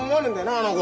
あの子。